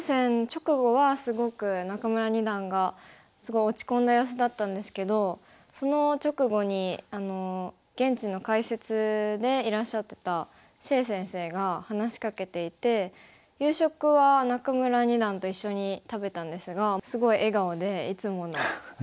直後はすごく仲邑二段がすごい落ち込んだ様子だったんですけどその直後に現地の解説でいらっしゃってた謝先生が話しかけていて夕食は仲邑二段と一緒に食べたんですがすごい笑顔でいつもの仲邑二段という感じで。